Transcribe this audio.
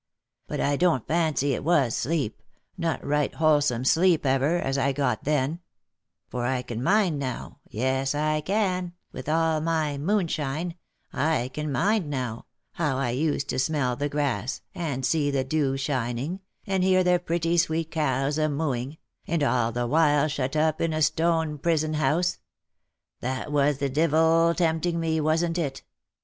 But I don't fancy it was sleep, not right T 274 THE LIFE AND ADVENTURES wholesome sleep ever, as I got then ; for I can mind now, yes I can, with all my moonshine, I can mind now, how I used to smell the grass, and see the dew shining, and hear the pretty sweet cows a mooing, and I all the while shut up in a stone prison house — that was the divil tempting me, wasn't it